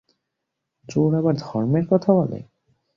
চোর আবার ধর্মের কথা বলে!